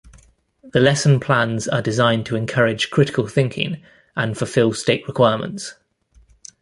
The lesson plans are designed to encourage critical thinking and fulfill State requirements.